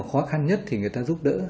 khó khăn nhất thì người ta giúp đỡ